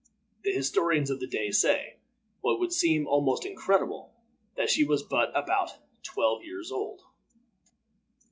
The historians of the day say, what would seem almost incredible, that she was but about twelve years old.